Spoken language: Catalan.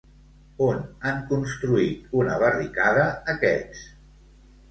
On han construït una barricada aquests?